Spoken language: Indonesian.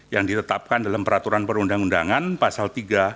yang ditetapkan dalam peraturan perundang undangan pasal tiga